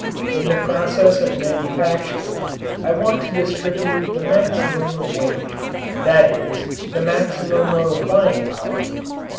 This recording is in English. In the process of manufacturing I want to distribute the maximum of wage that is, the maximum of buying power.